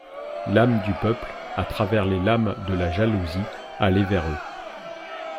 L'âme du peuple, à travers les lames de la jalousie, allait vers eux.